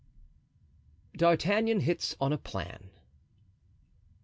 D'Artagnan hits on a Plan.